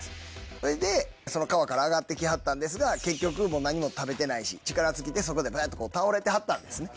それでその川から上がってきはったんですが結局何も食べてないし力尽きてそこで倒れてはったんですね。